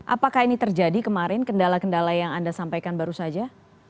apakah ini terjadi kemarin kendala kendala yang anda sampaikan baru saja